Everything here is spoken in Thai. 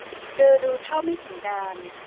โดยรู้เท่าไม่ถึงการณ์